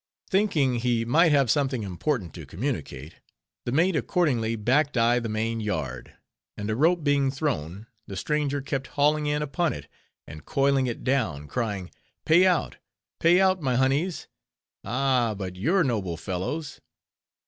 Thinking he might have something important to communicate, the mate accordingly backed the main yard, and a rope being thrown, the stranger kept hauling in upon it, and coiling it down, crying, "pay out! pay out, my honeys; ah! but you're noble fellows!"